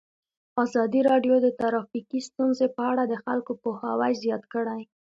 ازادي راډیو د ټرافیکي ستونزې په اړه د خلکو پوهاوی زیات کړی.